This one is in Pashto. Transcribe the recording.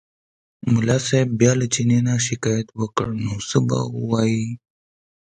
ملا صاحب بیا له چیني نه شکایت وکړ نو څه به ووایي.